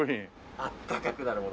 「あったかくなるもの」。